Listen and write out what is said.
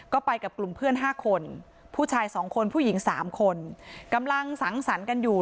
ก็ไปกับกลุ่มเพื่อนห้าคนผู้ชายสองคนผู้หญิงสามคนกำลังสังสรรค์กันอยู่